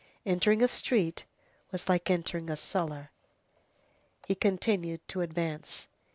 Entering a street was like entering a cellar. He continued to advance.